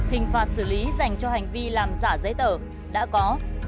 hình phạt xử lý dành cho hành vi làm giả giấy tờ đã có